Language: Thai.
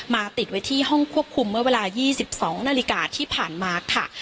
ติดไว้ที่ห้องควบคุมเมื่อเวลา๒๒นาฬิกาที่ผ่านมาค่ะ